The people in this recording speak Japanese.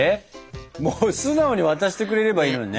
もう素直に渡してくれればいいのにね。